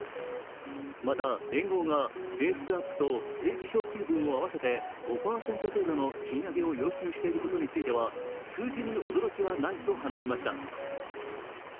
また、連合がベースアップと定期昇給分を合わせて５％程度の賃上げを要求していることについては数字に驚きはないと話しました。